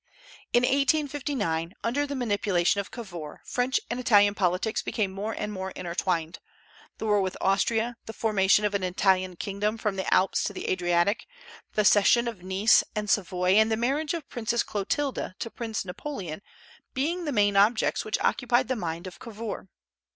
In 1859, under the manipulation of Cavour, French and Italian politics became more and more intertwined, the war with Austria, the formation of an Italian kingdom from the Alps to the Adriatic, the cession of Nice and Savoy and the marriage of Princess Clotilde to Prince Napoleon being the main objects which occupied the mind of Cavour.